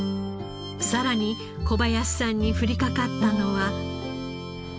さらに小林さんに降りかかったのは。